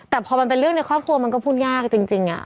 แต่พอมันเป็นเรื่องในครอบครัวมันก็พูดยากจริง